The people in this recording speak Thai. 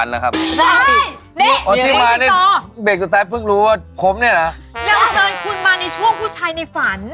ยังเชิญคุณมาในช่วงผู้ชายในฝัน